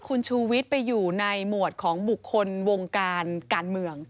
คุณชูวิทย์ไปอยู่ในหมวดของบุคคลวงการการเมือง